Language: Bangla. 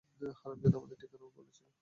হারামজাদা, আমাদের ঠিকানাও বলেছিলি!